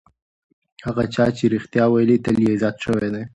هغه چا چې رښتیا ویلي، تل یې عزت شوی دی.